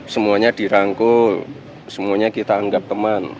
semuanya dirangkul semuanya kita anggap teman